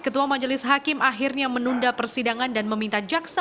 ketua majelis hakim akhirnya menunda persidangan dan meminta jaksa